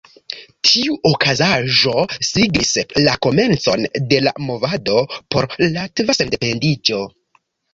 Tiu okazaĵo signis la komencon de la movado por latva sendependiĝo.